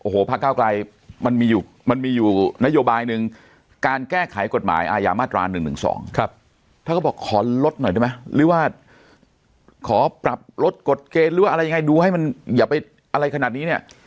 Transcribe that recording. หรือว่าขอปรับลดกฎเกณฑ์หรือว่าอะไรยังไงดูให้มันอย่าไปอะไรขนาดนี้เนี่ย